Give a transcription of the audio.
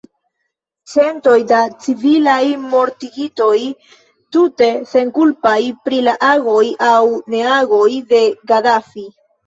Centoj da civilaj mortigitoj, tute senkulpaj pri la agoj aŭ neagoj de Gadafi.